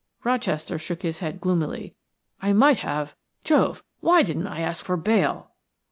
Rochester shook his head gloomily. "I might have Jove! why didn't I ask for bail?"